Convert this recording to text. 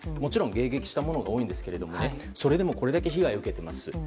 迎撃したものも多いんですけど、それでもこれだけ被害を受けています。